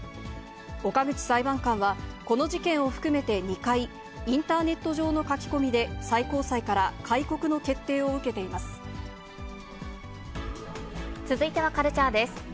岡口裁判官は、この事件を含めて２回、インターネット上の書き込みで最高裁から、続いてはカルチャーです。